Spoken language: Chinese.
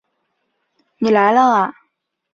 你来了啊